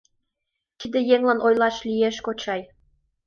— Тиде еҥлан ойлаш лиеш, кочай...